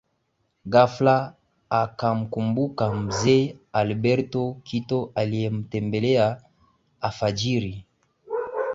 Ghafla akamkumbuka mzee Alberto Kito aliyemtembelea afajiri